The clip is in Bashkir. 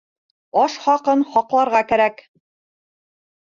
Аш хаҡын хаҡларға кәрәк.